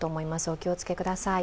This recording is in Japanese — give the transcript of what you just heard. お気をつけください。